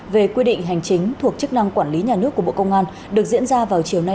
về quy định hành chính thuộc chức năng quản lý nhà nước của bộ công an được diễn ra vào chiều nay